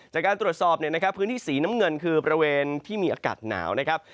จากการตรวจสอบเนี่ยนะครับพื้นที่สีน้ำเงินคือบริเวณที่มีอากาศหนาวนะครับ